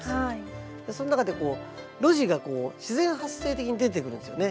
そん中でこう路地が自然発生的に出てくるんですよね。